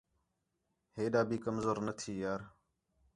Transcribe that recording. ہے ݙا بھی کمزور نہ تھی یار